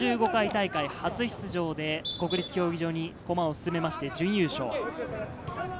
５５回大会、初出場で国立競技場に駒を進めまして準優勝。